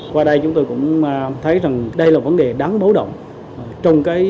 qua đây chúng tôi cũng thấy rằng đây là vấn đề đáng bấu động